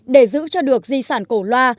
để giữ cho được di sản cổ loa